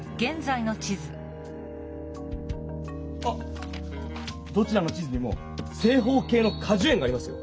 あっどちらの地図にも正方形のかじゅ園がありますよ。